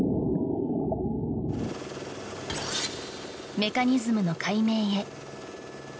メカニズムの解明へ。